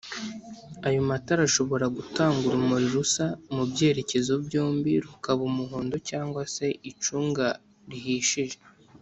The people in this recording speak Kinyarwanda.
ayo matara ashobora Gutanga urumuri rusa mubyerekezo byombi rukaba Umuhondo cg se icunga rihishije